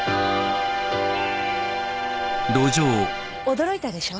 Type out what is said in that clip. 驚いたでしょ？